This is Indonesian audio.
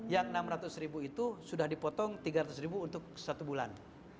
yang rp enam ratus ribu itu sudah dipotong tiga ratus ribu untuk satu bulan